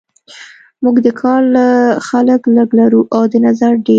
موږ د کار خلک لږ لرو او د نظر ډیر